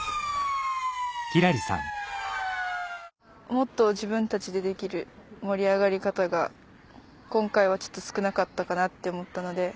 もっと自分たちでできる盛り上がり方が今回はちょっと少なかったかなって思ったので。